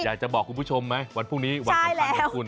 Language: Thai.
อยากจะบอกคุณผู้ชมไหมวันพรุ่งนี้วันสำคัญของคุณ